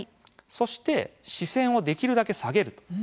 そして、視線をできるだけ下げる。